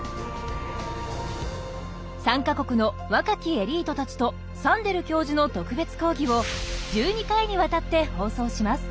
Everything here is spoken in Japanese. ３か国の若きエリートたちとサンデル教授の特別講義を１２回にわたって放送します。